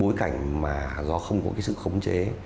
trong cái cảnh mà nó không có cái sự khống chế